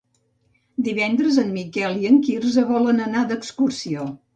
Divendres en Miquel i en Quirze volen anar d'excursió.